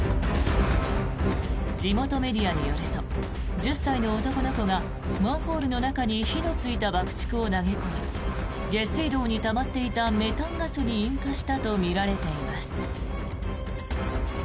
地元メディアによると１０歳の男の子がマンホールの中に火のついた爆竹を投げ込み下水道にたまっていたメタンガスに引火したとみられています。